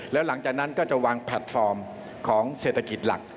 แล้วหลังจากนั้นก็จะวางแพลตฟอร์มของเศรษฐกิจหลัก